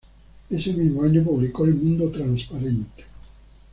Ese mismo año, publicó "El mundo transparente.